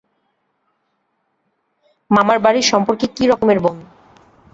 মামার বাড়ীর সম্পর্কে কি রকমের বোন।